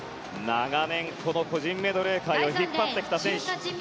長年、この個人メドレー界を引っ張ってきた選手。